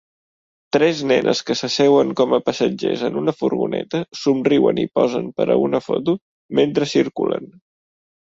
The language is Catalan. Tres nenes que s'asseuen com a passatgers en una furgoneta somriuen i posen per a una foto mentre circulen